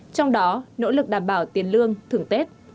trong đó nỗ lực đảm bảo tiền lương thưởng tết